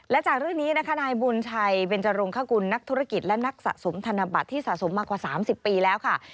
และจากเรื่องนี้นะคะนายบุญชัยเบนจรงคกุลนักธุรกิจและนักสะสมธนบัตรที่สะสมมากว่า๓๐ปีแล้วค่ะ